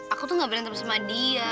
aku tuh gak berantem sama dia